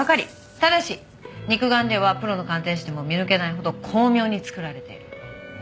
ただし肉眼ではプロの鑑定士でも見抜けないほど巧妙に作られている。